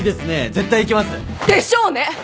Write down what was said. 絶対行きます。でしょうね！